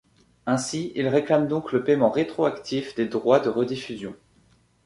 Ainsi, ils réclament donc le paiement rétroactif des droits de rediffusions.